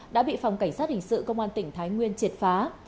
đã bị phòng cảnh sát hình sự công an tỉnh thái nguyên triệt phá